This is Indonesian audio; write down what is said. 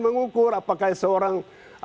mengukur apakah seorang